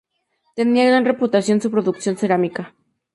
Tenía gran reputación su producción cerámica.